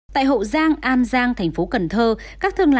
tại hậu giang an giang thành phố cần thơ